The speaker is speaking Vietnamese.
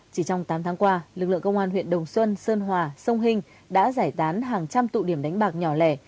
chỉ trong tám tháng qua lực lượng công an huyện đồng xuân sơn hòa sông hình đã giải tán hàng trăm tụ điểm đánh bạc nhỏ lẻ